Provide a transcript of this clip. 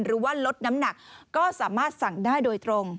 หรือว่าลดน้ำหนักก็สามารถสั่งได้โดยตรง